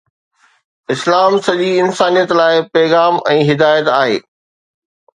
اسلام سڄي انسانيت لاءِ پيغام ۽ هدايت آهي.